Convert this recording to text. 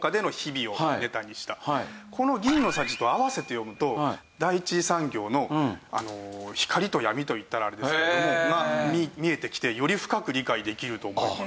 この『銀の匙』と併せて読むと第一産業の光と闇と言ったらあれですけどもが見えてきてより深く理解できると思います。